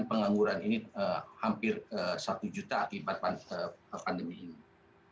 dan pengangguran ini hampir satu juta akibat pandemi ini